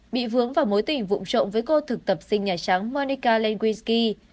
bị vướng vào mối tình vụn trộn với cô thực tập sinh nhà trắng monica lewinsky